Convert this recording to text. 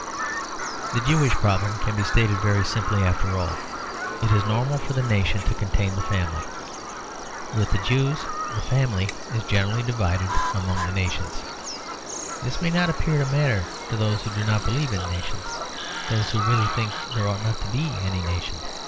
The Jewish problem can be stated very simply after all. It is normal for the nation to contain the family. With the Jews the family is generally divided among the nations. This may not appear to matter to those who do not believe in nations, those who really think there ought not to be any nations.